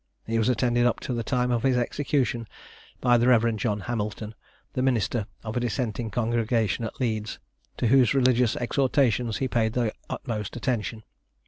He was attended up to the time of his execution by the Rev. John Hamilton, the minister of a dissenting congregation at Leeds, to whose religious exhortations he paid the utmost attention.